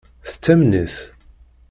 Tettamen-it?